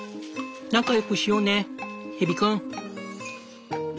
仲良くしようねヘビ君！